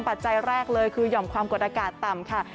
ปัจจัยแรกเลยคือหย่อมความกดอากาศต่ำค่ะ